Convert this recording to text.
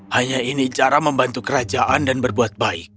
hanya ini cara membantu kerajaan dan berbuat baik